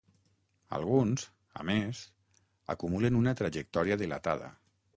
Alguns, a més, acumulen una trajectòria dilatada.